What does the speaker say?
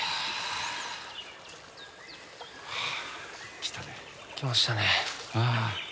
来たね。来ましたね。